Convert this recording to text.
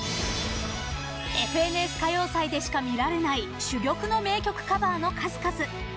「ＦＮＳ歌謡祭」でしか見られない珠玉の名曲カバーの数々。